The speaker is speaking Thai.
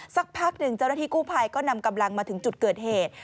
สักพักหนึ่งเจ้าหน้าที่กู้ภัยก็นำกำลังมาถึงจุดเกิดเหตุ